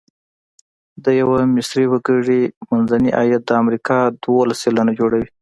د یوه مصري وګړي منځنی عاید د امریکا دوولس سلنه جوړوي.